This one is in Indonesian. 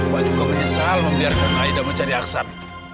pak juga menyesal membiarkan aida mencari aksan